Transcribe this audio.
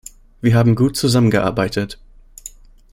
Wir haben gut zusammengearbeitet.